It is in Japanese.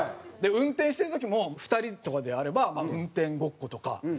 運転してる時も２人とかであれば運転ごっことか。